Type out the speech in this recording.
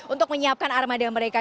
untuk menyiapkan armada mereka